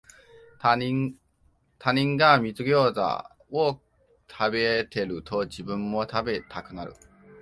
他人が水ギョウザを食べてると、自分も食べたくなる